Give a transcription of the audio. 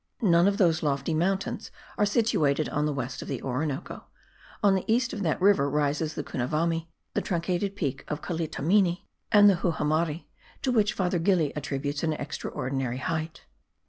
None of those lofty summits are situated on the west of the Orinoco; on the east of that river rises the Cunavami, the truncated peak of Calitamini and the Jujamari, to which Father Gili attributes an extraordinary height.